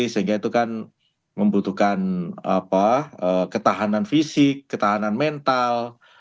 sehingga itu kan membutuhkan ketahanan fisik ketahanan mental